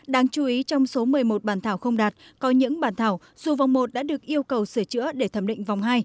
đáng chú ý trong số một mươi một bản thảo không đạt có những bản thảo dù vòng một đã được yêu cầu sửa chữa để thẩm định vòng hai